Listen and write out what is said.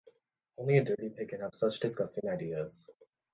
Only a dirty pig can have such disgusting ideas...